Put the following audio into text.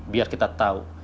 biar kita tahu